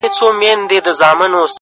بس ده ه د غزل الف و با مي کړه؛